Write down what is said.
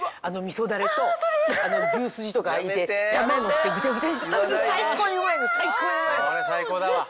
それ最高だわ。